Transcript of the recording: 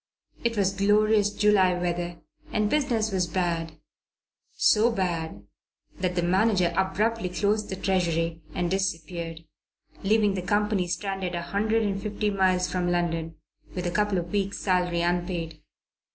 It was glorious July Weather and business was bad so bad that the manager abruptly closed the treasury and disappeared, leaving the company stranded a hundred and fifty miles from London, with a couple of weeks' salary unpaid.